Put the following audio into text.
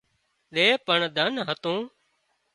زي پڻ ڌن هتون